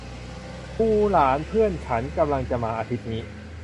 มูหลาดเพื่อนฉันกำลังจะมาอาทิตย์นี้